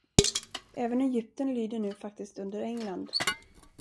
Även Egypten lyder nu faktiskt under England.